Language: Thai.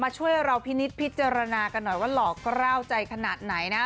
ช่วยเราพินิษฐพิจารณากันหน่อยว่าหล่อกล้าวใจขนาดไหนนะ